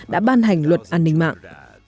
đã ban hành luật an ninh mạng